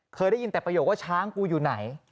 เคยได้ยินแต่ประโยคว่าช้างกูอยู่ไหน